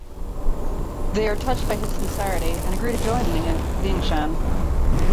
They are touched by his sincerity and agree to join Liangshan.